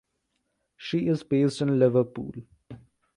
She is based in Liverpool.